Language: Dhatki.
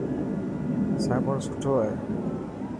صابڻ سٺو هي.